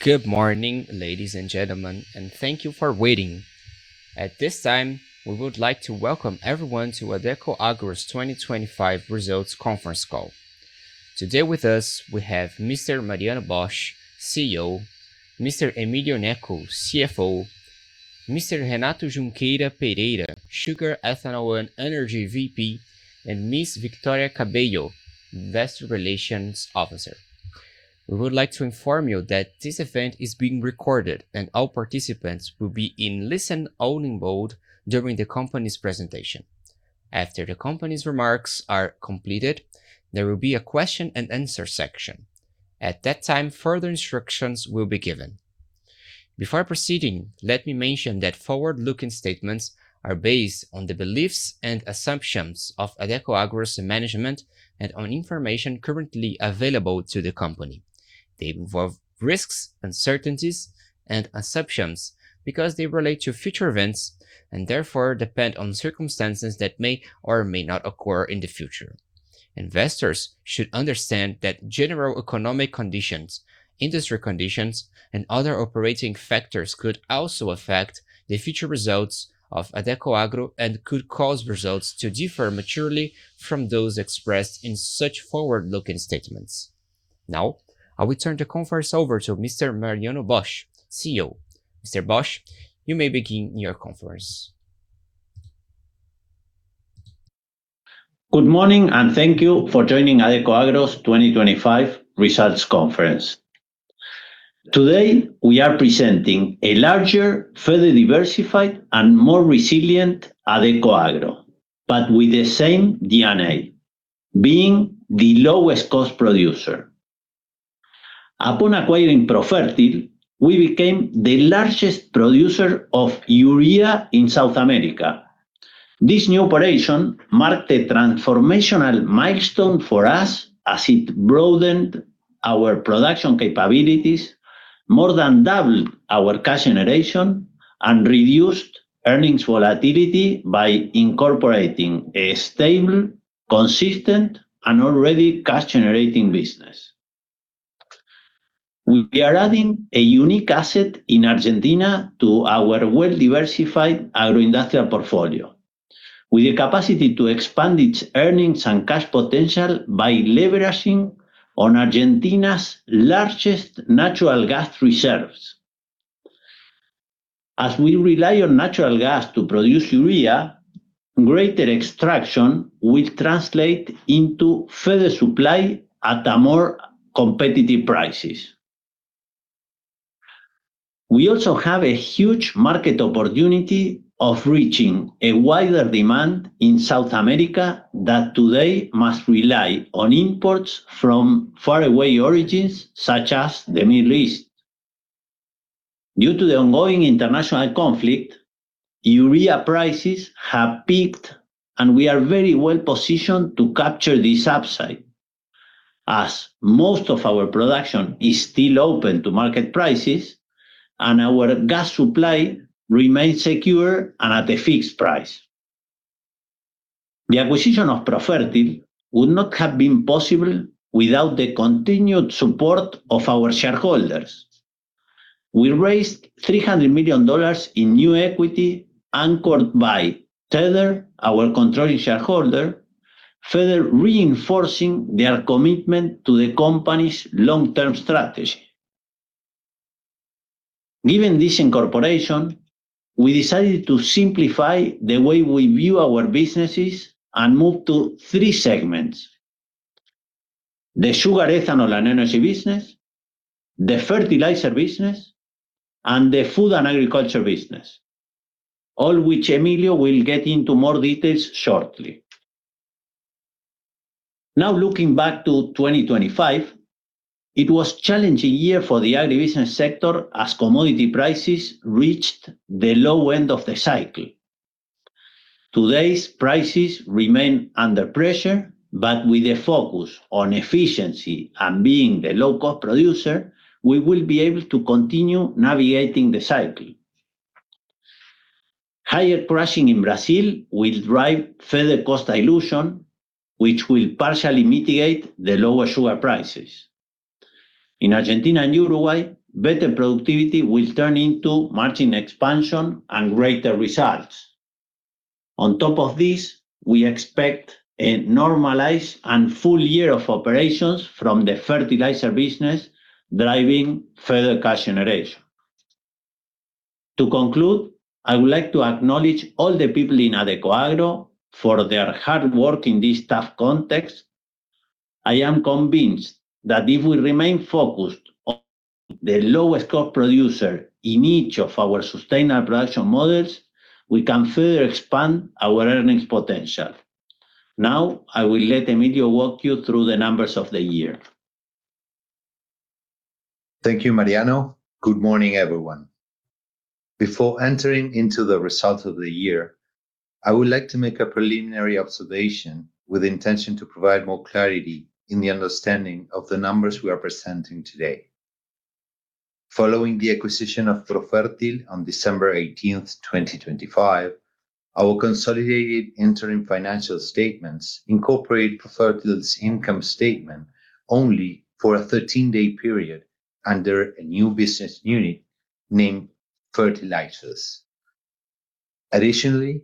Good morning, ladies and gentlemen, and thank you for waiting. At this time, we would like to welcome everyone to Adecoagro's 2025 results conference call. Today with us we have Mr. Mariano Bosch, CEO, Mr. Emilio Gnecco, CFO, Mr. Renato Junqueira Pereira, Sugar, Ethanol, and Energy VP, and Miss Victoria Cabello, Investor Relations Officer. We would like to inform you that this event is being recorded, and all participants will be in listen-only mode during the company's presentation. After the company's remarks are completed, there will be a question and answer section. At that time, further instructions will be given. Before proceeding, let me mention that forward-looking statements are based on the beliefs and assumptions of Adecoagro's management and on information currently available to the company. They involve risks, uncertainties, and assumptions because they relate to future events and therefore depend on circumstances that may or may not occur in the future. Investors should understand that general economic conditions, industry conditions, and other operating factors could also affect the future results of Adecoagro and could cause results to differ materially from those expressed in such forward-looking statements. Now, I will turn the conference over to Mr. Mariano Bosch, CEO. Mr. Bosch, you may begin your conference. Good morning, and thank you for joining Adecoagro's 2025 results conference. Today, we are presenting a larger, further diversified, and more resilient Adecoagro, but with the same DNA, being the lowest cost producer. Upon acquiring Profertil, we became the largest producer of urea in South America. This new operation marked a transformational milestone for us as it broadened our production capabilities, more than doubled our cash generation, and reduced earnings volatility by incorporating a stable, consistent, and already cash-generating business. We are adding a unique asset in Argentina to our well-diversified agro-industrial portfolio with the capacity to expand its earnings and cash potential by leveraging on Argentina's largest natural gas reserves. As we rely on natural gas to produce urea, greater extraction will translate into further supply at a more competitive prices. We also have a huge market opportunity of reaching a wider demand in South America that today must rely on imports from far away origins, such as the Middle East. Due to the ongoing international conflict, urea prices have peaked and we are very well positioned to capture this upside, as most of our production is still open to market prices and our gas supply remains secure and at a fixed price. The acquisition of Profertil would not have been possible without the continued support of our shareholders. We raised $300 million in new equity anchored by Tether, our controlling shareholder, further reinforcing their commitment to the company's long-term strategy. Given this incorporation, we decided to simplify the way we view our businesses and move to three segments. The sugar, ethanol, and energy business, the fertilizer business, and the food and agriculture business, all of which Emilio will get into more details shortly. Now, looking back to 2025, it was a challenging year for the agribusiness sector as commodity prices reached the low end of the cycle. Today's prices remain under pressure, but with a focus on efficiency and being the low-cost producer, we will be able to continue navigating the cycle. Higher crushing in Brazil will drive further cost dilution, which will partially mitigate the lower sugar prices. In Argentina and Uruguay, better productivity will turn into margin expansion and greater results. On top of this, we expect a normalized and full year of operations from the fertilizer business, driving further cash generation. To conclude, I would like to acknowledge all the people in Adecoagro for their hard work in this tough context. I am convinced that if we remain focused on the lowest cost producer in each of our sustainable production models, we can further expand our earnings potential. Now, I will let Emilio walk you through the numbers of the year. Thank you, Mariano. Good morning, everyone. Before entering into the results of the year, I would like to make a preliminary observation with the intention to provide more clarity in the understanding of the numbers we are presenting today. Following the acquisition of Profertil on December 18, 2025. Our consolidated interim financial statements incorporate Profertil's income statement only for a 13-day period under a new business unit named Fertilizers. Additionally,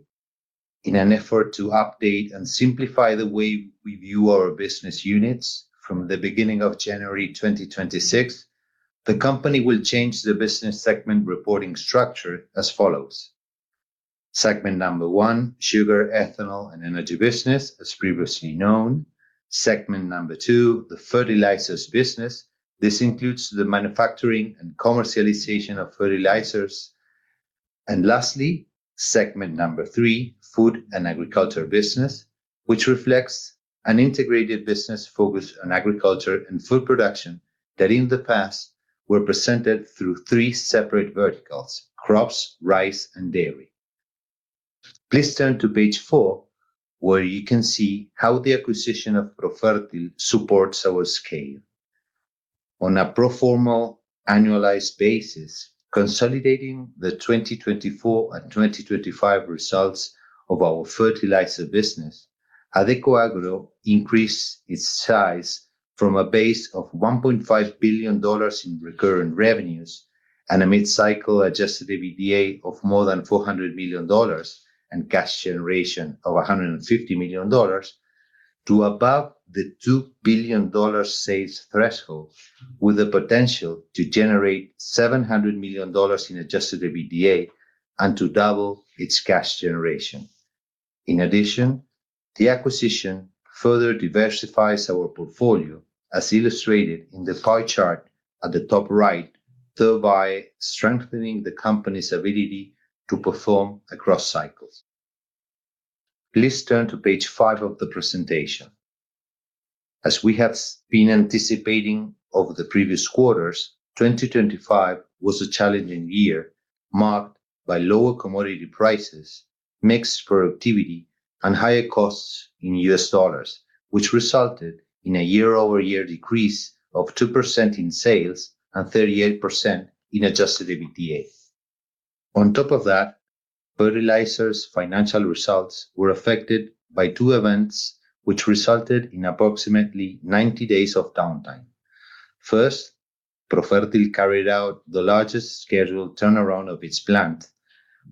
in an effort to update and simplify the way we view our business units from the beginning of January 2026, the company will change the business segment reporting structure as follows. Segment number one, sugar, ethanol, and energy business as previously known. Segment number two, the fertilizers business. This includes the manufacturing and commercialization of fertilizers. Lastly, segment number three, food and agriculture business, which reflects an integrated business focused on agriculture and food production that in the past were presented through three separate verticals, crops, rice, and dairy. Please turn to page 4, where you can see how the acquisition of Profertil supports our scale. On a pro forma annualized basis, consolidating the 2024 and 2025 results of our fertilizer business, Adecoagro increased its size from a base of $1.5 billion in recurring revenues and a mid-cycle adjusted EBITDA of more than $400 million and cash generation of $150 million to above the $2 billion sales threshold with the potential to generate $700 million in adjusted EBITDA and to double its cash generation. In addition, the acquisition further diversifies our portfolio, as illustrated in the pie chart at the top right, thereby strengthening the company's ability to perform across cycles. Please turn to page 5 of the presentation. As we have been anticipating over the previous quarters, 2025 was a challenging year marked by lower commodity prices, mixed productivity, and higher costs in U.S. dollars, which resulted in a year-over-year decrease of 2% in sales and 38% in adjusted EBITDA. On top of that, fertilizer's financial results were affected by two events which resulted in approximately 90 days of downtime. First, Profertil carried out the largest scheduled turnaround of its plant,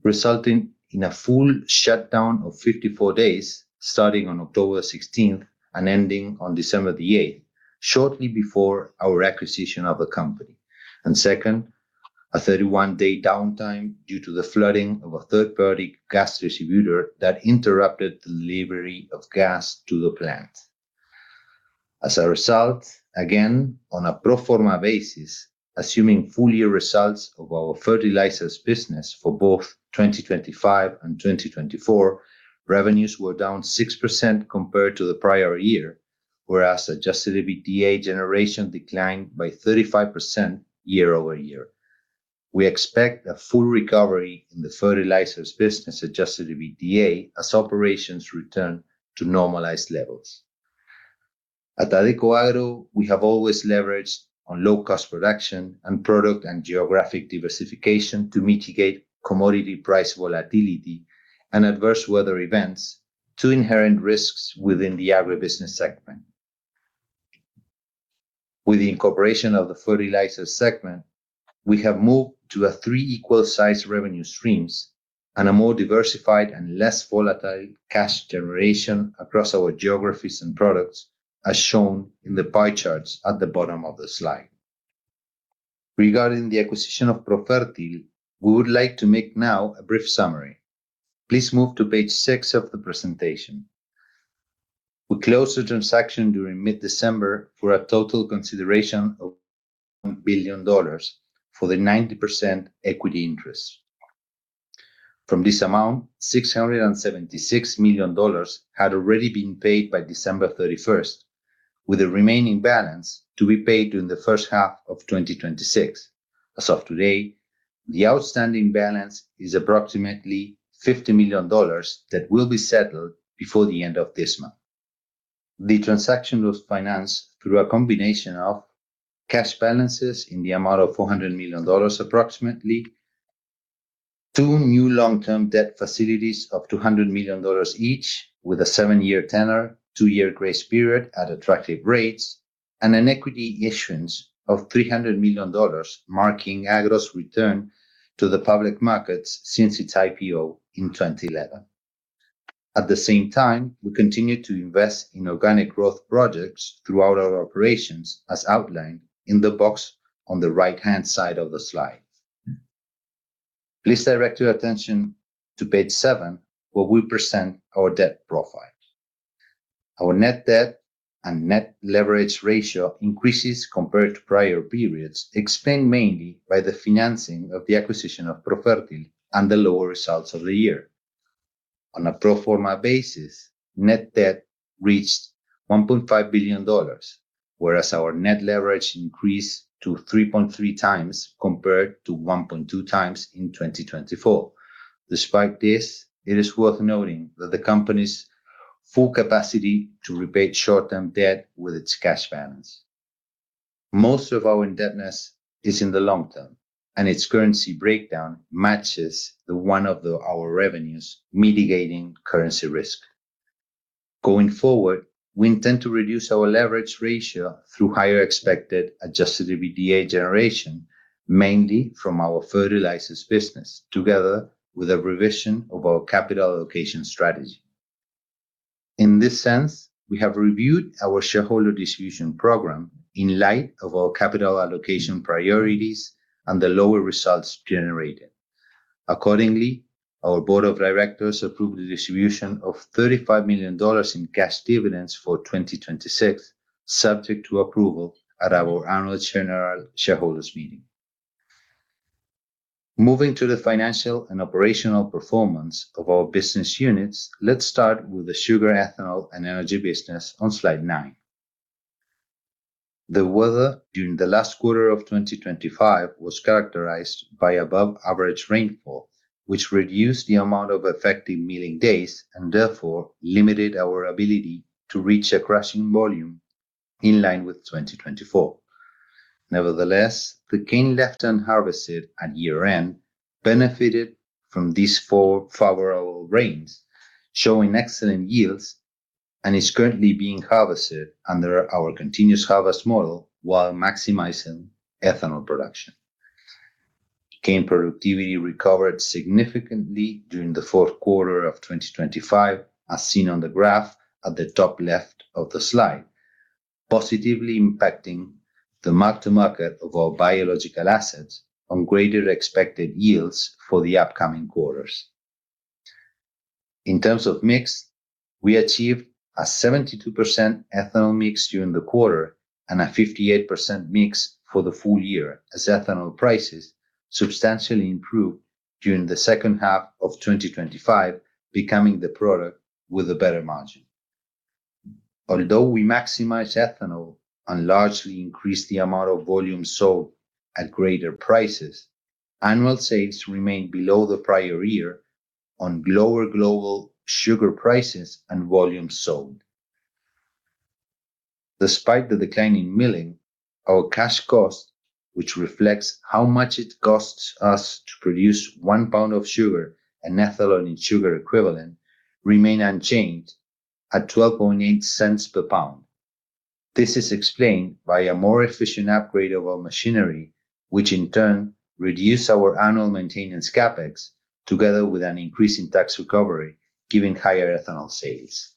resulting in a full shutdown of 54 days starting on October 16 and ending on December 8, shortly before our acquisition of the company. Second, a 31-day downtime due to the flooding of a third-party gas distributor that interrupted delivery of gas to the plant. As a result, again, on a pro forma basis, assuming full year results of our fertilizers business for both 2025 and 2024, revenues were down 6% compared to the prior year, whereas adjusted EBITDA generation declined by 35% year over year. We expect a full recovery in the fertilizers business adjusted EBITDA as operations return to normalized levels. At Adecoagro, we have always leveraged on low-cost production and product and geographic diversification to mitigate commodity price volatility and adverse weather events, two inherent risks within the agribusiness segment. With the incorporation of the fertilizers segment, we have moved to three equal size revenue streams and a more diversified and less volatile cash generation across our geographies and products, as shown in the pie charts at the bottom of the slide. Regarding the acquisition of Profertil, we would like to make now a brief summary. Please move to page six of the presentation. We closed the transaction during mid-December for a total consideration of $1 billion for the 90% equity interest. From this amount, $676 million had already been paid by December 31, with the remaining balance to be paid during the first half of 2026. As of today, the outstanding balance is approximately $50 million that will be settled before the end of this month. The transaction was financed through a combination of cash balances in the amount of $400 million, approximately, two new long-term debt facilities of $200 million each with a 7-year tenor, 2-year grace period at attractive rates, and an equity issuance of $300 million, marking Adecoagro's return to the public markets since its IPO in 2011. At the same time, we continue to invest in organic growth projects throughout our operations, as outlined in the box on the right-hand side of the slide. Please direct your attention to page 7, where we present our debt profile. Our net debt and net leverage ratio increases compared to prior periods, explained mainly by the financing of the acquisition of Profertil and the lower results of the year. On a pro forma basis, net debt reached $1.5 billion, whereas our net leverage increased to 3.3 times compared to 1.2 times in 2024. Despite this, it is worth noting that the company's full capacity to repay short-term debt with its cash balance. Most of our indebtedness is in the long term, and its currency breakdown matches the one of our revenues, mitigating currency risk. Going forward, we intend to reduce our leverage ratio through higher expected adjusted EBITDA generation, mainly from our fertilizers business, together with a revision of our capital allocation strategy. In this sense, we have reviewed our shareholder distribution program in light of our capital allocation priorities and the lower results generated. Accordingly, our board of directors approved the distribution of $35 million in cash dividends for 2026, subject to approval at our annual general shareholders meeting. Moving to the financial and operational performance of our business units, let's start with the sugar, ethanol, and energy business on Slide 9. The weather during the last quarter of 2025 was characterized by above-average rainfall, which reduced the amount of effective milling days and therefore limited our ability to reach a crushing volume in line with 2024. Nevertheless, the cane left unharvested at year-end benefited from these favorable rains, showing excellent yields, and is currently being harvested under our continuous harvest model while maximizing ethanol production. Cane productivity recovered significantly during the Q4 of 2025, as seen on the graph at the top left of the slide, positively impacting the mark-to-market of our biological assets on greater expected yields for the upcoming quarters. In terms of mix, we achieved a 72% ethanol mix during the quarter and a 58% mix for the full year as ethanol prices substantially improved during the second half of 2025, becoming the product with a better margin. Although we maximized ethanol and largely increased the amount of volume sold at greater prices, annual sales remained below the prior year on lower global sugar prices and volumes sold. Despite the decline in milling, our cash cost, which reflects how much it costs us to produce one pound of sugar and ethanol in sugar equivalent, remained unchanged at $0.128 per pound. This is explained by a more efficient upgrade of our machinery, which in turn reduced our annual maintenance CapEx together with an increase in tax recovery, given higher ethanol sales.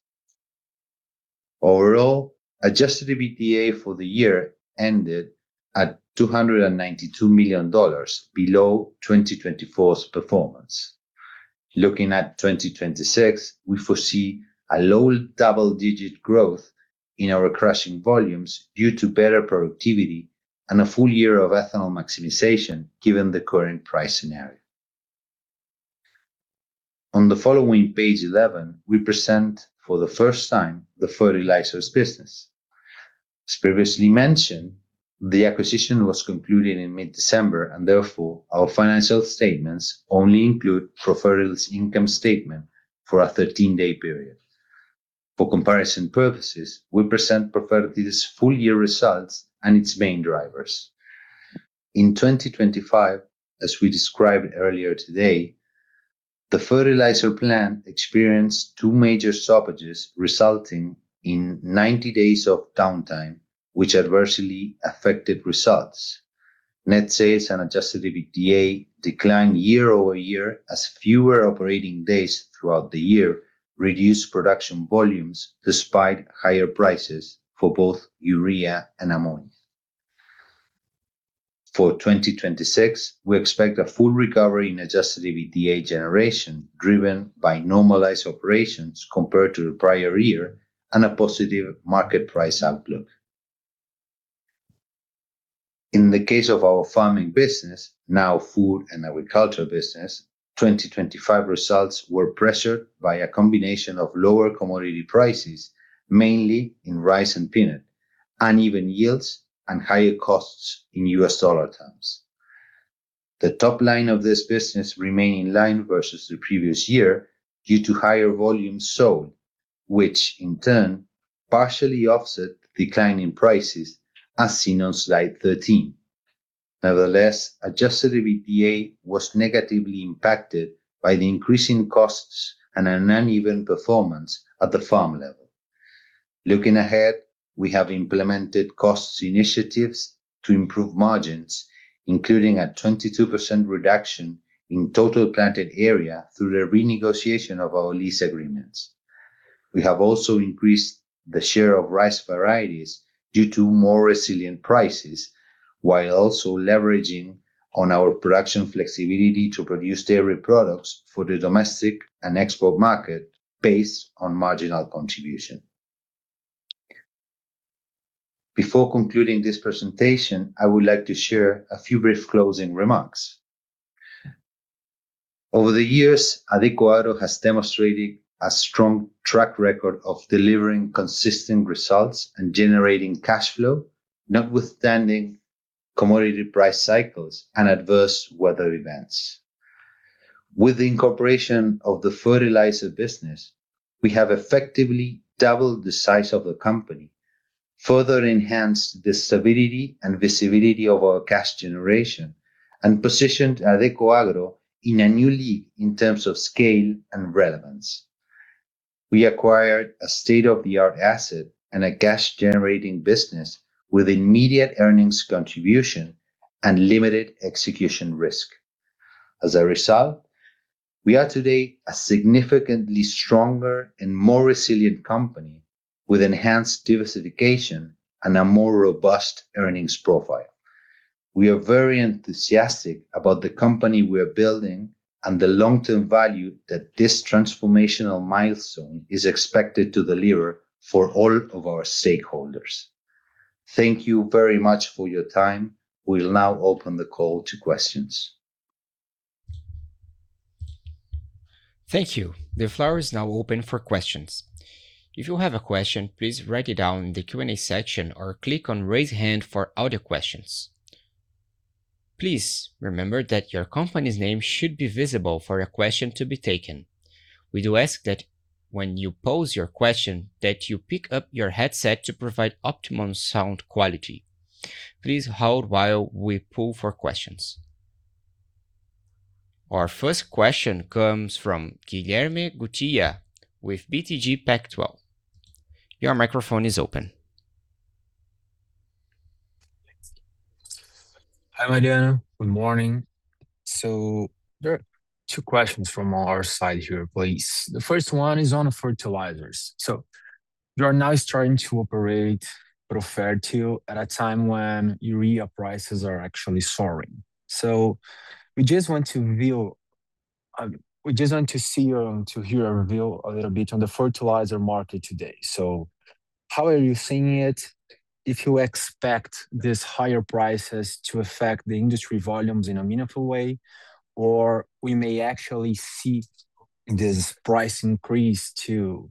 Overall, adjusted EBITDA for the year ended at $292 million, below 2024's performance. Looking at 2026, we foresee a low double-digit growth in our crushing volumes due to better productivity and a full year of ethanol maximization given the current price scenario. On the following page 11, we present for the first time the fertilizers business. As previously mentioned, the acquisition was concluded in mid-December, and therefore, our financial statements only include Profertil's income statement for a 13-day period. For comparison purposes, we present Profertil's full-year results and its main drivers. In 2025, as we described earlier today, the fertilizer plant experienced two major stoppages, resulting in 90 days of downtime, which adversely affected results. Net sales and adjusted EBITDA declined year-over-year as fewer operating days throughout the year reduced production volumes despite higher prices for both urea and ammonia. For 2026, we expect a full recovery in adjusted EBITDA generation driven by normalized operations compared to the prior year and a positive market price outlook. In the case of our farming business, now food and agriculture business, 2025 results were pressured by a combination of lower commodity prices, mainly in rice and peanut, uneven yields, and higher costs in U.S. dollar terms. The top line of this business remained in line versus the previous year due to higher volumes sold, which in turn partially offset declining prices, as seen on Slide 13. Nevertheless, adjusted EBITDA was negatively impacted by the increasing costs and an uneven performance at the farm level. Looking ahead, we have implemented cost initiatives to improve margins, including a 22% reduction in total planted area through the renegotiation of our lease agreements. We have also increased the share of rice varieties due to more resilient prices, while also leveraging on our production flexibility to produce dairy products for the domestic and export market based on marginal contribution. Before concluding this presentation, I would like to share a few brief closing remarks. Over the years, Adecoagro has demonstrated a strong track record of delivering consistent results and generating cash flow notwithstanding commodity price cycles and adverse weather events. With the incorporation of the fertilizer business, we have effectively doubled the size of the company, further enhanced the stability and visibility of our cash generation, and positioned Adecoagro in a new league in terms of scale and relevance. We acquired a state-of-the-art asset and a cash-generating business with immediate earnings contribution and limited execution risk. As a result, we are today a significantly stronger and more resilient company with enhanced diversification and a more robust earnings profile. We are very enthusiastic about the company we are building and the long-term value that this transformational milestone is expected to deliver for all of our stakeholders. Thank you very much for your time. We will now open the call to questions. Thank you. The floor is now open for questions. If you have a question, please write it down in the Q&A section or click on Raise Hand for audio questions. Please remember that your company's name should be visible for a question to be taken. We do ask that when you pose your question, that you pick up your headset to provide optimum sound quality. Please hold while we poll for questions. Our first question comes from Guilherme Guttilla with BTG Pactual. Your microphone is open. Hi, Mariano. Good morning. There are two questions from our side here, please. The first one is on the fertilizers. You are now starting to operate Profertil at a time when urea prices are actually soaring. We just want to see or to hear a view a little bit on the fertilizer market today. How are you seeing it, if you expect these higher prices to affect the industry volumes in a meaningful way, or we may actually see this price increase to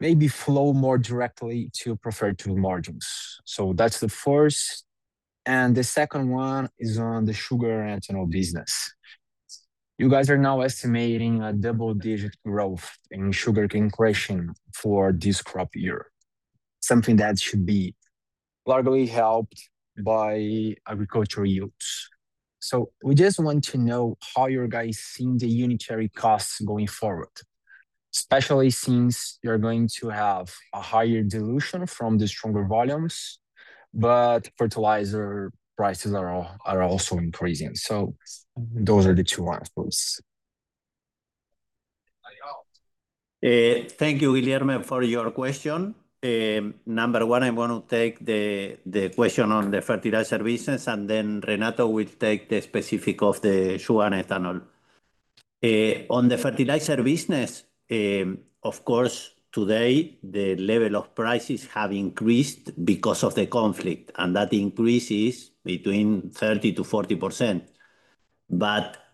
maybe flow more directly to Profertil margins? That's the first. The second one is on the sugar and ethanol business. You guys are now estimating a double-digit growth in sugar cane crushing for this crop year, something that should be largely helped by agricultural yields. We just want to know how you guys seeing the unit costs going forward, especially since you're going to have a higher dilution from the stronger volumes, but fertilizer prices are also increasing. Those are the two ones, please. Thank you, Guilherme, for your question. Number one, I'm gonna take the question on the fertilizer business, and then Renato will take the specifics of the sugar and ethanol. On the fertilizer business, of course, today the level of prices have increased because of the conflict, and that increase is 30%-40%.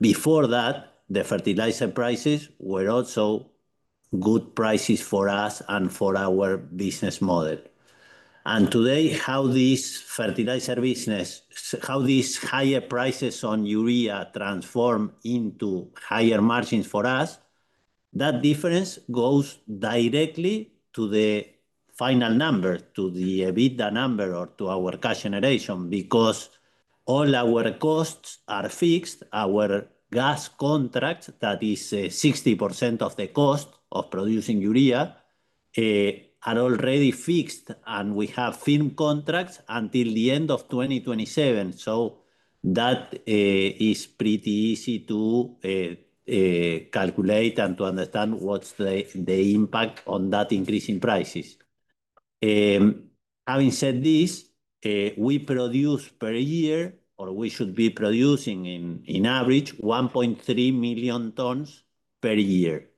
Before that, the fertilizer prices were also good prices for us and for our business model. Today, how this fertilizer business, how these higher prices on urea transform into higher margins for us, that difference goes directly to the final number, to the EBITDA number or to our cash generation because all our costs are fixed. Our gas contract, that is 60% of the cost of producing urea, are already fixed, and we have firm contracts until the end of 2027. That is pretty easy to calculate and to understand what's the impact on that increase in prices. Having said this, we produce per year, or we should be producing on average 1.3 million tons per year.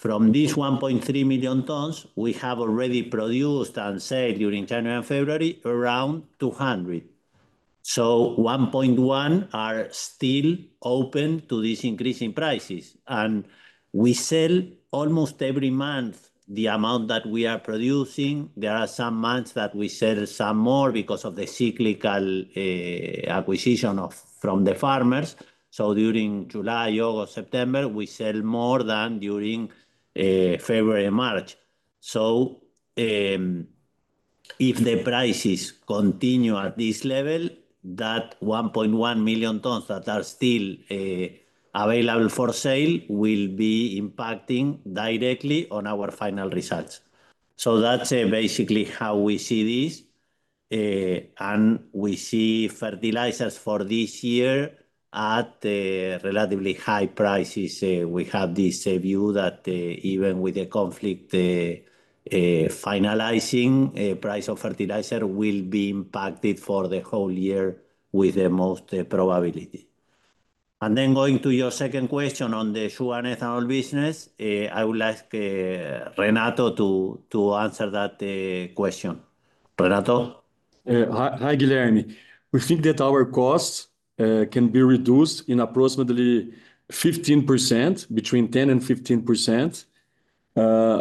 From these 1.3 million tons, we have already produced and sold during January and February around 200. So 1.1 are still open to this increase in prices. We sell almost every month the amount that we are producing. There are some months that we sell some more because of the cyclical acquisition from the farmers. During July, August, September, we sell more than during February, March. If the prices continue at this level, that 1.1 million tons that are still available for sale will be impacting directly on our final results. That's basically how we see this. We see fertilizers for this year at relatively high prices. We have this view that even with the conflict finalizing, price of fertilizer will be impacted for the whole year with the most probability. Then going to your second question on the sugar and ethanol business, I would like Renato to answer that question. Renato? Hi, Guilherme. We think that our costs can be reduced in approximately 15%, between 10% and 15%.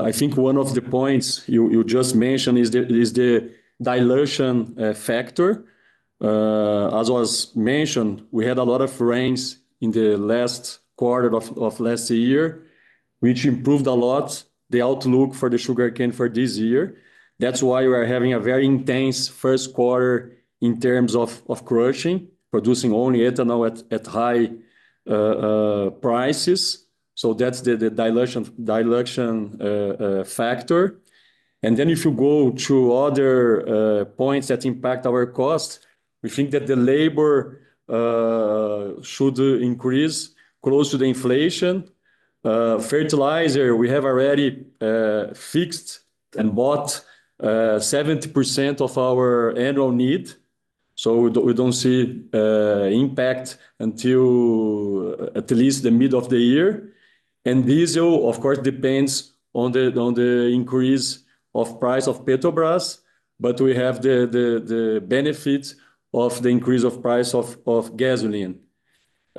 I think one of the points you just mentioned is the dilution factor. As was mentioned, we had a lot of rains in the last quarter of last year, which improved a lot the outlook for the sugarcane for this year. That's why we are having a very intense Q1 in terms of crushing, producing only ethanol at high prices. That's the dilution factor. Then if you go to other points that impact our cost, we think that the labor should increase close to the inflation. Fertilizer, we have already fixed and bought 70% of our annual need, so we don't see impact until at least the mid of the year. Diesel, of course, depends on the increase of price of Petrobras, but we have the benefit of the increase of price of gasoline.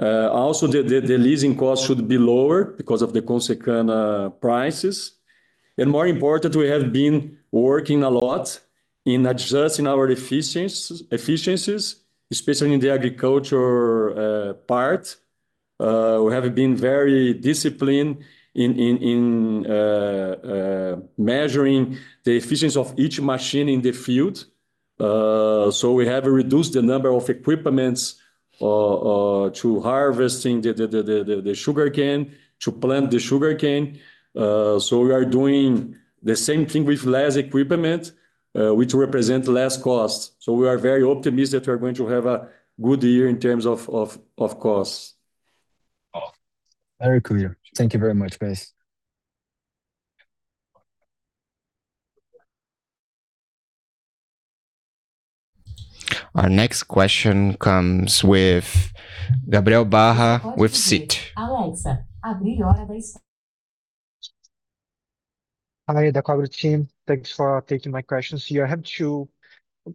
Also, the leasing cost should be lower because of the Consecana prices. More important, we have been working a lot in adjusting our efficiencies, especially in the agriculture part. We have been very disciplined in measuring the efficiency of each machine in the field. We have reduced the number of equipments to harvesting the sugarcane, to plant the sugarcane. We are doing the same thing with less equipment, which represent less cost. We are very optimistic we are going to have a good year in terms of costs. Very clear. Thank you very much, guys. Our next question comes from Gabriel Barra with Citi. Hi, the Adecoagro team. Thanks for taking my questions here. I have two.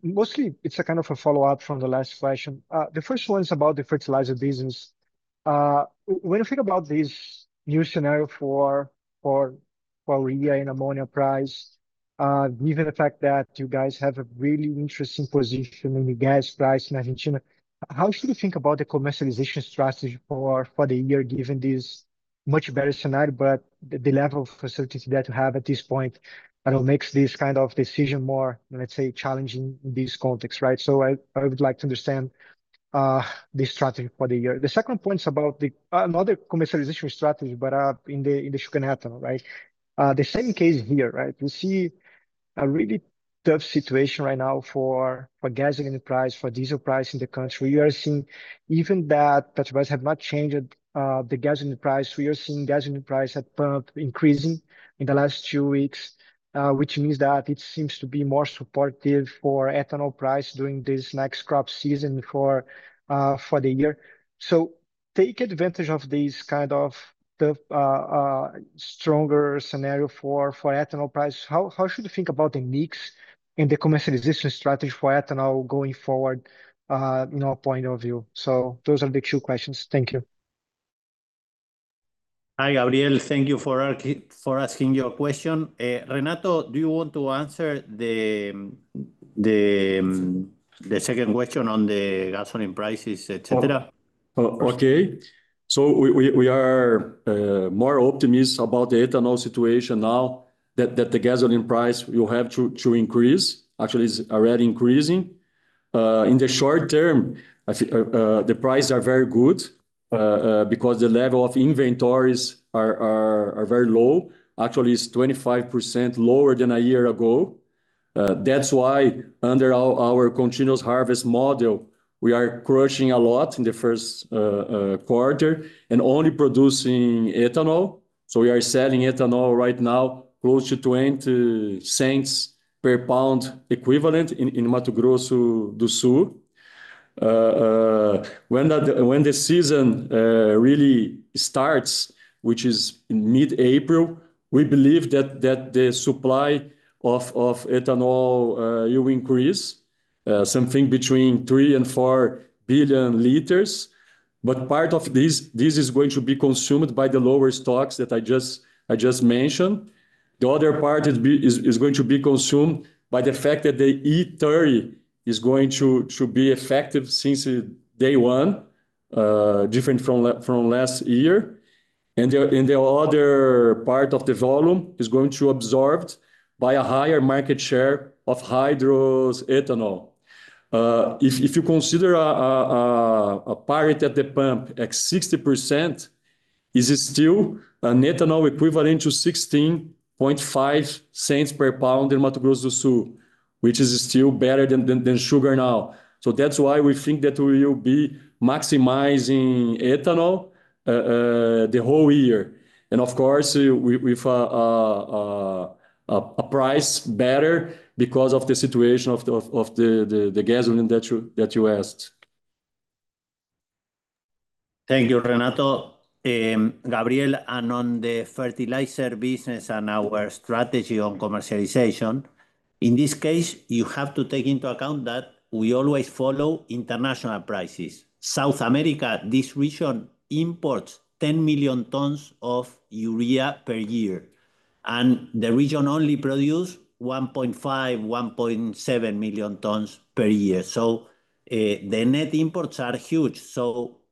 Mostly, it's a kind of a follow-up from the last question. The first one is about the fertilizer business. When you think about this new scenario for urea and ammonia price, given the fact that you guys have a really interesting position in the gas price in Argentina, how should we think about the commercialization strategy for the year given this much better scenario, but the level of certainty that you have at this point that will makes this kind of decision more, let's say, challenging in this context, right? I would like to understand the strategy for the year. The second point is about another commercialization strategy, but in the sugarcane ethanol, right? The same case here, right? We see a really tough situation right now for gasoline price, for diesel price in the country. We are seeing even that Petrobras has not changed the gasoline price. We are seeing gasoline price has been increasing in the last two weeks, which means that it seems to be more supportive for ethanol price during this next crop season for the year. Take advantage of this kind of tough stronger scenario for ethanol price. How should we think about the mix in the commercialization strategy for ethanol going forward, you know, point of view? Those are the two questions. Thank you. Hi, Gabriel. Thank you for asking your question. Renato, do you want to answer the second question on the gasoline prices, et cetera? Okay. We are more optimistic about the ethanol situation now that the gasoline price will have to increase. Actually, it's already increasing. In the short term, I think, the prices are very good because the level of inventories are very low. Actually, it's 25% lower than a year ago. That's why under our continuous harvest model, we are crushing a lot in the Q1 and only producing ethanol. We are selling ethanol right now close to $0.20 per pound equivalent in Mato Grosso do Sul. When the season really starts, which is in mid-April, we believe that the supply of ethanol will increase something between 3 and 4 billion liters. Part of this is going to be consumed by the lower stocks that I just mentioned. The other part is going to be consumed by the fact that the E30 is going to be effective since day one, different from last year. The other part of the volume is going to be absorbed by a higher market share of hydrous ethanol. If you consider a parity at the pump at 60%, it is still an ethanol equivalent to $0.165 per pound in Mato Grosso do Sul, which is still better than sugar now. That's why we think that we will be maximizing ethanol the whole year. Of course, with a price better because of the situation of the gasoline that you asked. Thank you, Renato. Gabriel, and on the fertilizer business and our strategy on commercialization. In this case, you have to take into account that we always follow international prices. South America, this region imports 10 million tons of urea per year, and the region only produce 1.5, 1.7 million tons per year. The net imports are huge.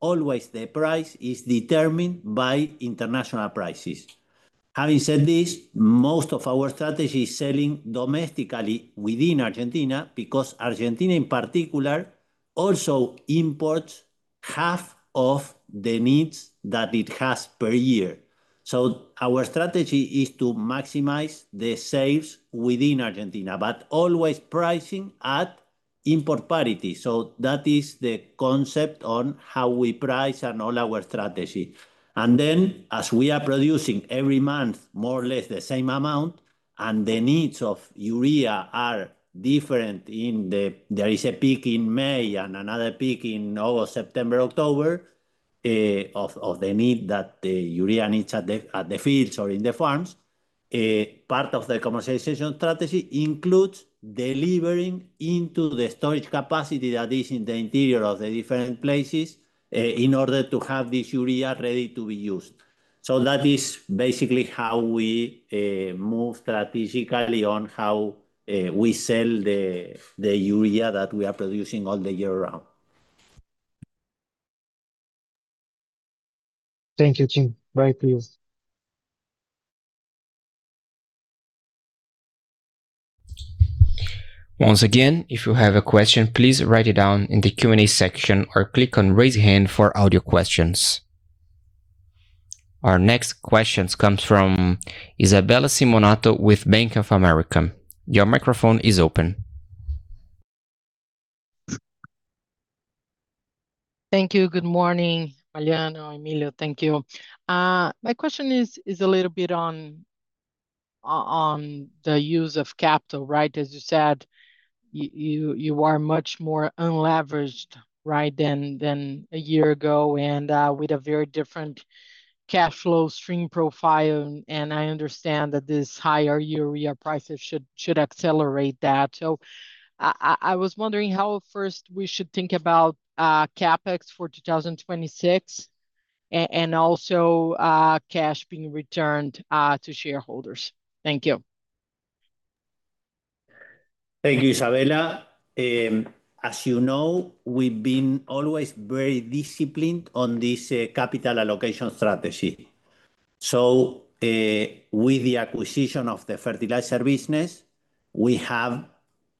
Always the price is determined by international prices. Having said this, most of our strategy is selling domestically within Argentina, because Argentina in particular also imports half of the needs that it has per year. Our strategy is to maximize the sales within Argentina, but always pricing at import parity. That is the concept on how we price and all our strategy. as we are producing every month more or less the same amount, and the needs of urea are different. There is a peak in May and another peak in August, September, October, of the need that the urea needs at the fields or in the farms. part of the commercialization strategy includes delivering into the storage capacity that is in the interior of the different places, in order to have this urea ready to be used. That is basically how we move strategically on how we sell the urea that we are producing all the year round. Thank you, Jim. Right, please. Once again, if you have a question, please write it down in the Q&A section or click on raise hand for audio questions. Our next question comes from Isabella Simonato with Bank of America. Your microphone is open. Thank you. Good morning, Mariano, Emilio. Thank you. My question is a little bit on the use of capital, right? As you said, you are much more unleveraged, right, than a year ago and with a very different cash flow stream profile. I understand that this higher urea prices should accelerate that. I was wondering how first we should think about CapEx for 2026 and also cash being returned to shareholders. Thank you. Thank you, Isabella. As you know, we've been always very disciplined on this, capital allocation strategy. With the acquisition of the fertilizer business, we have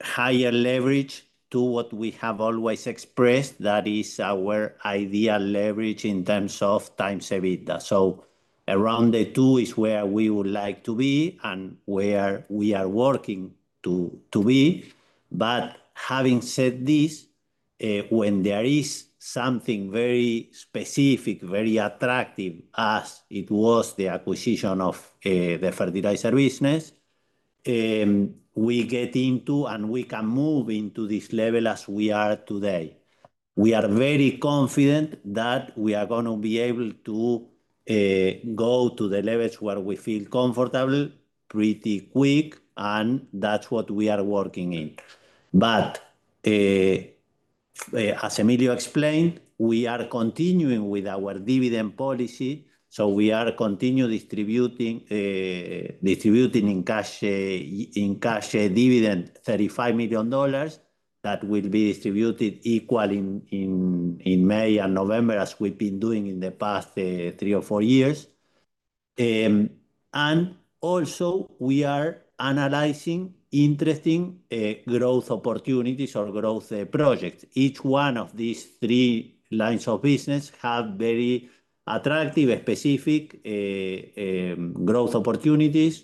higher leverage to what we have always expressed that is our ideal leverage in terms of times EBITDA. Around the two is where we would like to be and where we are working to be. Having said this, when there is something very specific, very attractive as it was the acquisition of the fertilizer business, we get into and we can move into this level as we are today. We are very confident that we are gonna be able to go to the levels where we feel comfortable pretty quick, and that's what we are working in. As Emilio explained, we are continuing with our dividend policy, so we are continuing distributing in cash dividend $35 million that will be distributed equally in May and November as we've been doing in the past three or four years. We are analyzing interesting growth opportunities or growth projects. Each one of these three lines of business have very attractive specific growth opportunities,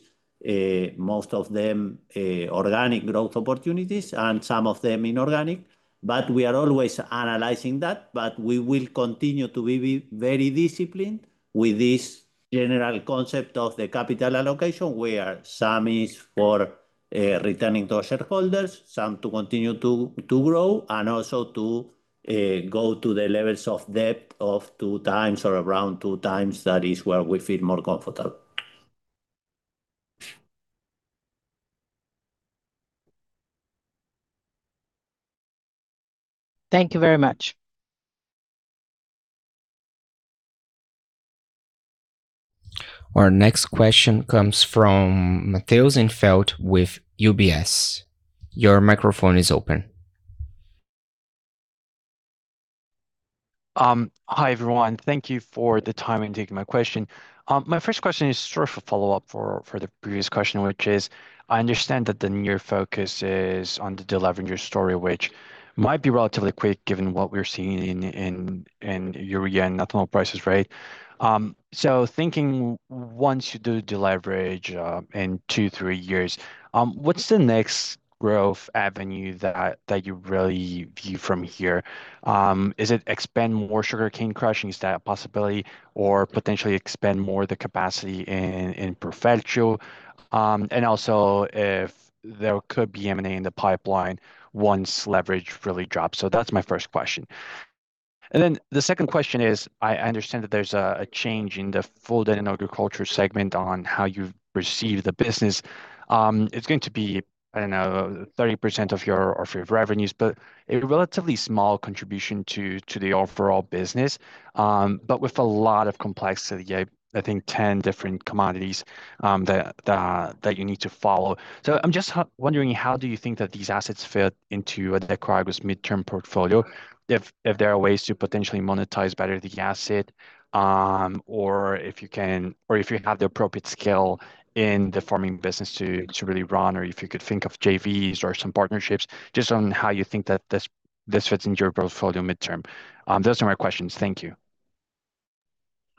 most of them organic growth opportunities and some of them inorganic. We are always analyzing that, but we will continue to be very disciplined with this general concept of the capital allocation, where some is for returning to shareholders, some to continue to grow and also to go to the levels of debt of two times or around two times. That is where we feel more comfortable. Thank you very much. Our next question comes from Matheus Enfeldt with UBS. Your microphone is open. Hi everyone. Thank you for the time and taking my question. My first question is sort of a follow-up for the previous question, which is I understand that the near focus is on the deleveraging story, which might be relatively quick given what we're seeing in urea and ethanol prices, right? Thinking once you do deleverage in two, three years, what's the next growth avenue that you really view from here? Is it expand more sugarcane crushing? Is that a possibility or potentially expand more the capacity in Profertil? And also if there could be M&A in the pipeline once leverage really drops. That's my first question. The second question is, I understand that there's a change in the food and agriculture segment on how you perceive the business. It's going to be, I don't know, 30% of your revenues, but a relatively small contribution to the overall business, but with a lot of complexity. I think 10 different commodities that you need to follow. I'm just wondering how do you think that these assets fit into Adecoagro's midterm portfolio? If there are ways to potentially monetize better the asset, or if you have the appropriate skill in the farming business to really run, or if you could think of JVs or some partnerships, just on how you think that this fits into your portfolio midterm. Those are my questions. Thank you.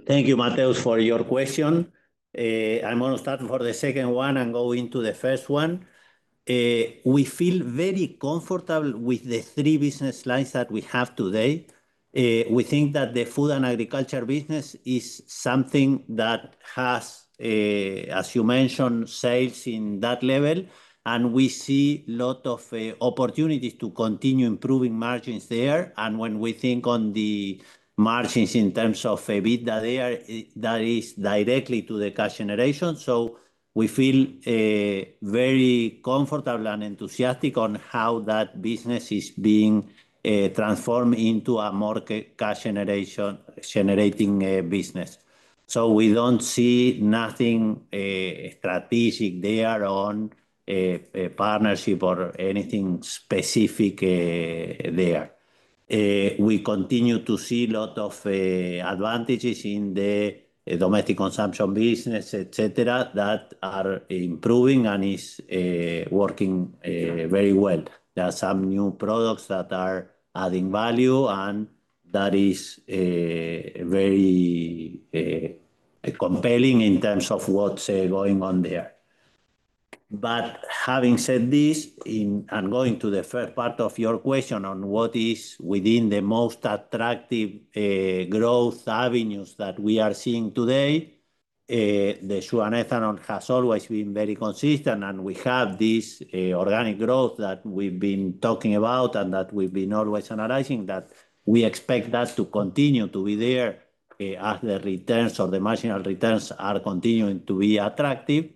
Thank you, Matheus, for your question. I'm gonna start for the second one and go into the first one. We feel very comfortable with the three business lines that we have today. We think that the food and agriculture business is something that has, as you mentioned, sales in that level, and we see a lot of opportunities to continue improving margins there. When we think on the margins in terms of EBITDA there, that is directly to the cash generation. We feel very comfortable and enthusiastic on how that business is being transformed into a more cash generating business. We don't see nothing strategic there on a partnership or anything specific there. We continue to see a lot of advantages in the domestic consumption business, et cetera, that are improving and is working very well. There are some new products that are adding value, and that is very compelling in terms of what's going on there. Having said this, and going to the first part of your question on what is within the most attractive growth avenues that we are seeing today, the sugar and ethanol has always been very consistent, and we have this organic growth that we've been talking about and that we've been always analyzing, that we expect that to continue to be there, as the returns or the marginal returns are continuing to be attractive.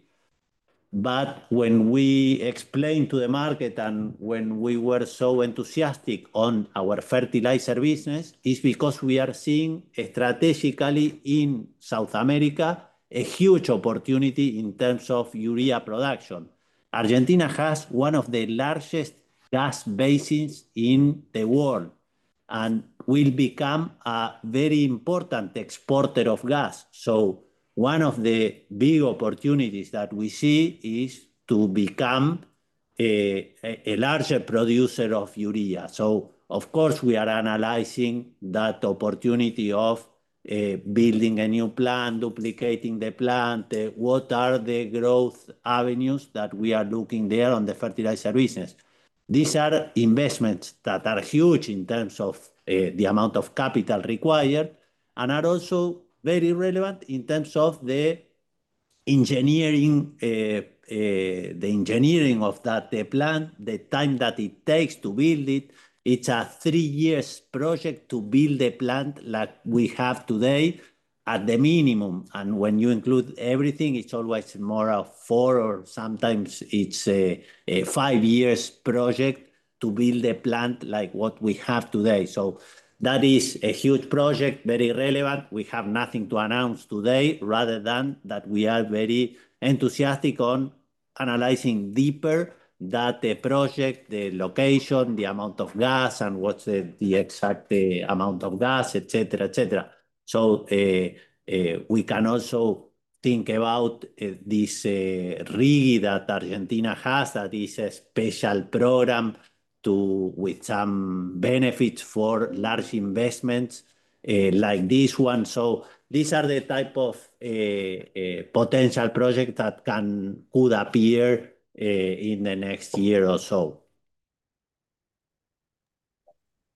When we explain to the market and when we were so enthusiastic on our fertilizer business, it's because we are seeing strategically in South America a huge opportunity in terms of urea production. Argentina has one of the largest gas basins in the world and will become a very important exporter of gas. One of the big opportunities that we see is to become a larger producer of urea. Of course, we are analyzing that opportunity of building a new plant, duplicating the plant, what are the growth avenues that we are looking there on the fertilizer business. These are investments that are huge in terms of the amount of capital required and are also very relevant in terms of the engineering of that, the plant, the time that it takes to build it. It's a 3 years project to build a plant like we have today at the minimum. When you include everything, it's always more of 4 or sometimes it's a 5 years project to build a plant like what we have today. That is a huge project, very relevant. We have nothing to announce today other than that we are very enthusiastic on analyzing deeper that project, the location, the amount of gas and what's the exact amount of gas, et cetera, et cetera. We can also think about this RIGI that Argentina has that is a special program with some benefits for large investments like this one. These are the type of potential project that could appear in the next year or so.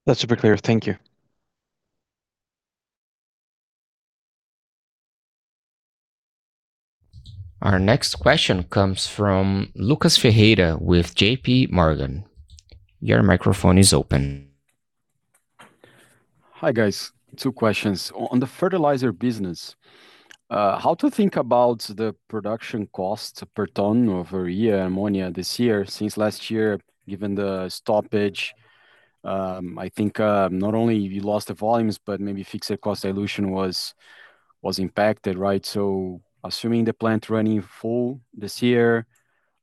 That's super clear. Thank you. Our next question comes from Lucas Ferreira with J.P. Morgan. Your microphone is open. Hi, guys. Two questions. On the fertilizer business, how to think about the production cost per ton of urea ammonia this year since last year, given the stoppage? I think, not only you lost the volumes, but maybe fixed cost dilution was impacted, right? Assuming the plant running full this year,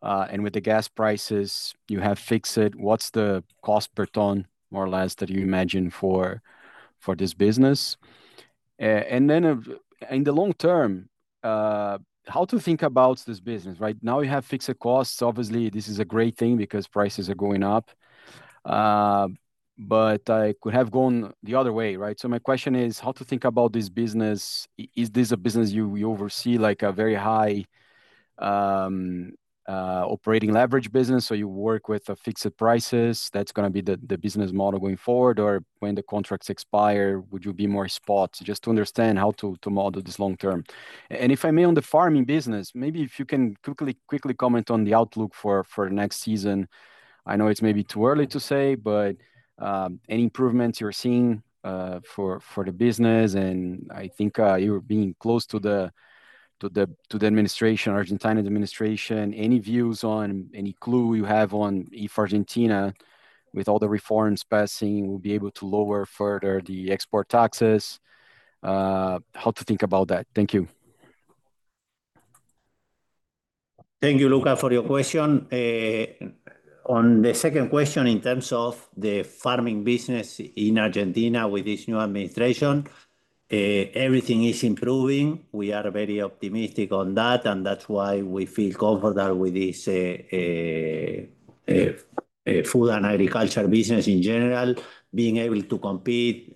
and with the gas prices you have fixed, what's the cost per ton more or less that you imagine for this business? In the long term, how to think about this business? Right now, you have fixed costs. Obviously, this is a great thing because prices are going up, but it could have gone the other way, right? My question is, how to think about this business. Is this a business you oversee like a very high operating leverage business, so you work with fixed prices? That's gonna be the business model going forward. Or when the contracts expire, would you be more spot? Just to understand how to model this long-term. If I may, on the farming business, maybe if you can quickly comment on the outlook for next season. I know it's maybe too early to say, but any improvements you're seeing for the business. I think you're being close to the Argentine administration. Any views on any clue you have on if Argentina, with all the reforms passing, will be able to lower further the export taxes? How to think about that? Thank you. Thank you, Lucas, for your question. On the second question in terms of the farming business in Argentina with this new administration, everything is improving. We are very optimistic on that, and that's why we feel comfortable with this food and agriculture business in general. Being able to compete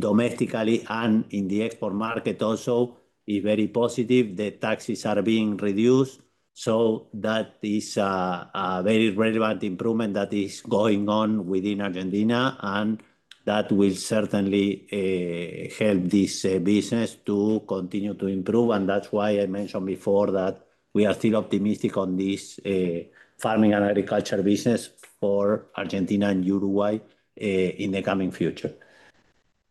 domestically and in the export market also is very positive. The taxes are being reduced, so that is a very relevant improvement that is going on within Argentina. That will certainly help this business to continue to improve, and that's why I mentioned before that we are still optimistic on this farming and agriculture business for Argentina and Uruguay in the coming future.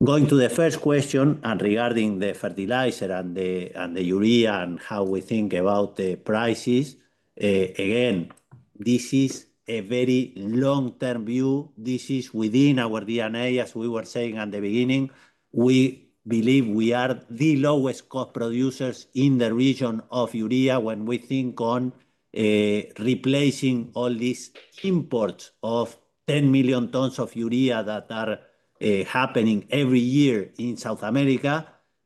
Going to the first question and regarding the fertilizer and the urea and how we think about the prices, again, this is a very long-term view. This is within our DNA, as we were saying at the beginning. We believe we are the lowest cost producers in the region of urea when we think on replacing all these imports of 10 million tons of urea that are happening every year in South America.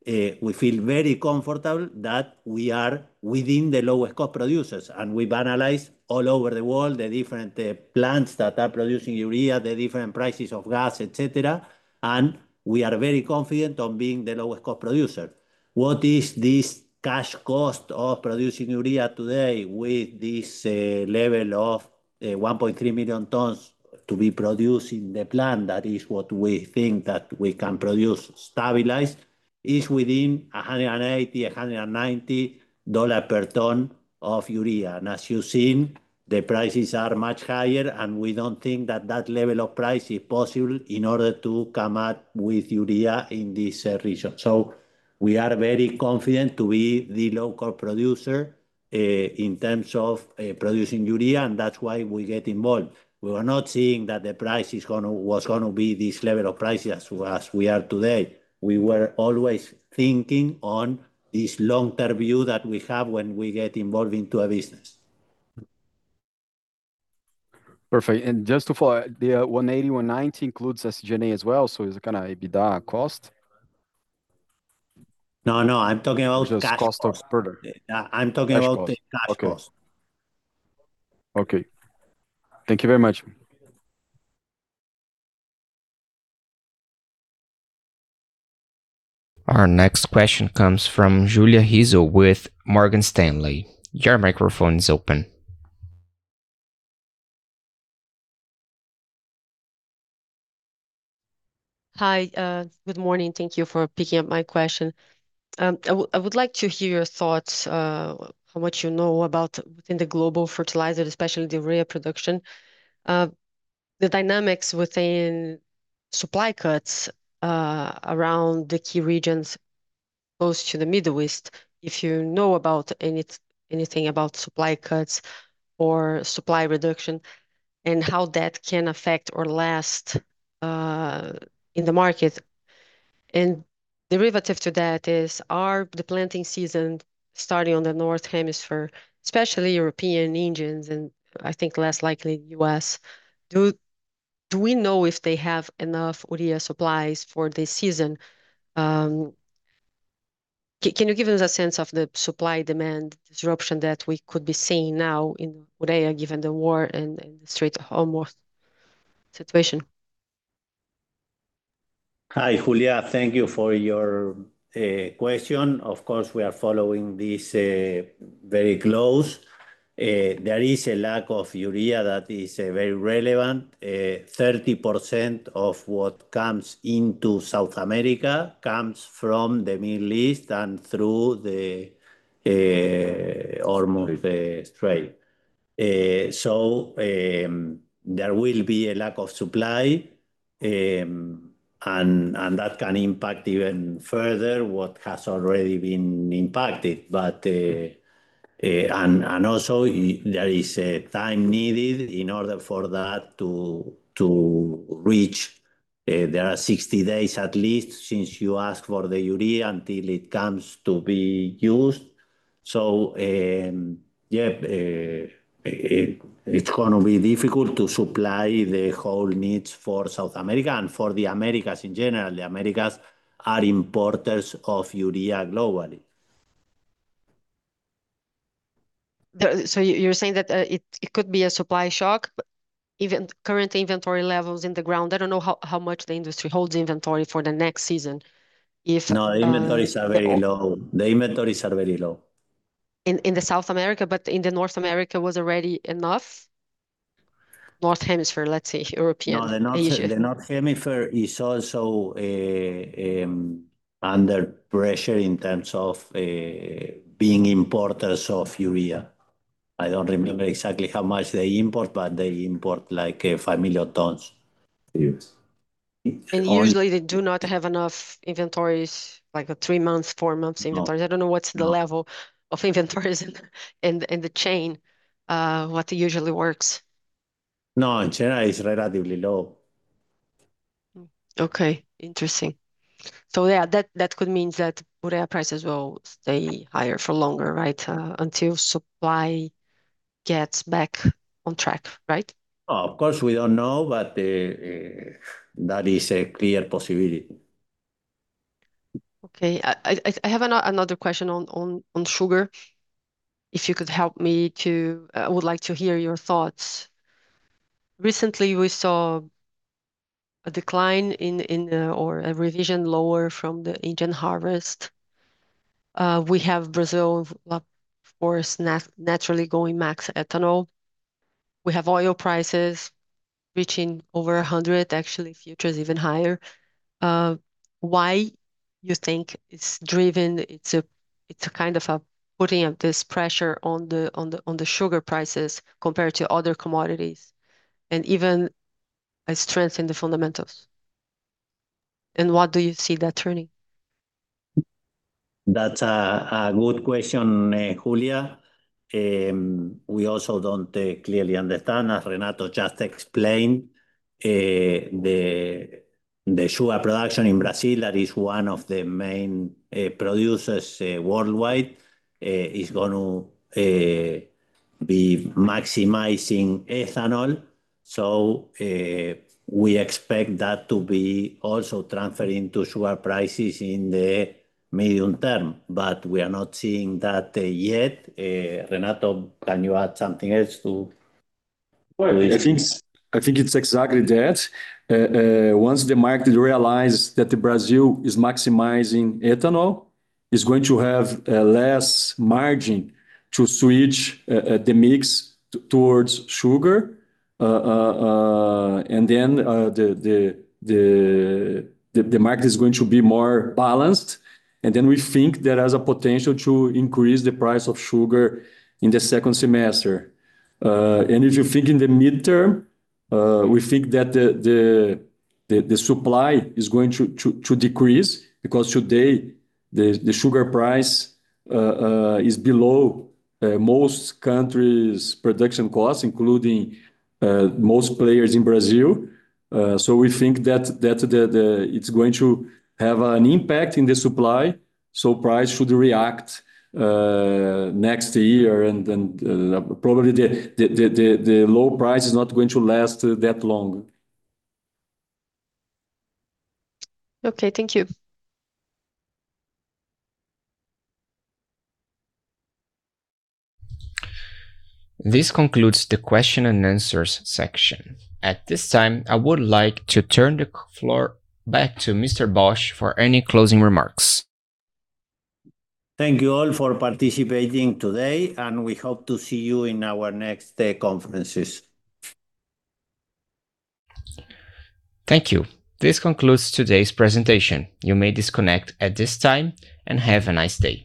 We feel very comfortable that we are within the lower cost producers. We've analyzed all over the world the different plants that are producing urea, the different prices of gas, et cetera, and we are very confident on being the lowest cost producer. What is this cash cost of producing urea today with this level of 1.3 million tons to be produced in the plant? That is what we think that we can produce. Stabilized is within $180-$190 per ton of urea. As you've seen, the prices are much higher, and we don't think that that level of price is possible in order to come out with urea in this region. We are very confident to be the low cost producer in terms of producing urea, and that's why we get involved. We were not seeing that the price is was gonna be this level of price as we are today. We were always thinking on this long-term view that we have when we get involved into a business. Perfect. Just to follow, the $180-$190 includes SG&A as well, so it's gonna EBITDA cost? No, no, I'm talking about cash cost. Just cost of product. I'm talking about- cash cost the cash cost. Okay. Thank you very much. Our next question comes from Julia Rizzo with Morgan Stanley. Your microphone is open. Hi. Good morning. Thank you for picking up my question. I would like to hear your thoughts on what you know about within the global fertilizer, especially the urea production, the dynamics within supply cuts around the key regions close to the Middle East, if you know about anything about supply cuts or supply reduction, and how that can affect or last in the market. Deriving from that is, are the planting season starting in the Northern Hemisphere, especially European regions, and I think less likely U.S., do we know if they have enough urea supplies for this season? Can you give us a sense of the supply-demand disruption that we could be seeing now in urea given the war and the Strait of Hormuz situation? Hi, Julia. Thank you for your question. Of course, we are following this very close. There is a lack of urea that is very relevant. 30% of what comes into South America comes from the Middle East and through the Hormuz Strait. There will be a lack of supply, and that can impact even further what has already been impacted. Also, there is a time needed in order for that to reach. There are 60 days at least since you ask for the urea until it comes to be used. It's gonna be difficult to supply the whole needs for South America and for the Americas in general. The Americas are importers of urea globally. You're saying that it could be a supply shock, but even current inventory levels in the ground, I don't know how much the industry holds inventory for the next season if No, inventories are very low. in the South America, but in the North America was already enough? Northern hemisphere, let's say, European issue. No, the Northern Hemisphere is also under pressure in terms of being importers of Urea. I don't remember exactly how much they import, but they import like 5 million tons a year. Usually they do not have enough inventories, like 3 months, 4 months inventories. No. I don't know what's the level of inventories in the chain, what usually works. No, in general, it's relatively low. Okay. Interesting. Yeah, that could mean that Urea prices will stay higher for longer, right? Until supply gets back on track, right? Of course, we don't know, but, that is a clear possibility. Okay. I have another question on sugar, if you could help me. I would like to hear your thoughts. Recently, we saw a decline or a revision lower from the Asian harvest. We have Brazil, of course, naturally going max ethanol. We have oil prices reaching over 100, actually futures even higher. Why do you think it's a kind of putting of this pressure on the sugar prices compared to other commodities and even a strength in the fundamentals. Why do you see that turning? That's a good question, Julia. We also don't clearly understand. As Renato just explained, the sugar production in Brazil that is one of the main producers worldwide is gonna be maximizing ethanol. So, we expect that to be also transferred into sugar prices in the medium term, but we are not seeing that yet. Renato, can you add something else to. Well, I think it's exactly that. Once the market realize that Brazil is maximizing ethanol, it's going to have less margin to switch the mix towards sugar. Then, the market is going to be more balanced, and then we think there is a potential to increase the price of sugar in the second semester. If you think in the mid-term, we think that the supply is going to decrease because today the sugar price is below most countries' production costs, including most players in Brazil. We think that it's going to have an impact in the supply, so price should react next year and then probably the low price is not going to last that long. Okay. Thank you. This concludes the question and answers section. At this time, I would like to turn the floor back to Mr. Bosch for any closing remarks. Thank you all for participating today, and we hope to see you in our next conferences. Thank you. This concludes today's presentation. You may disconnect at this time, and have a nice day.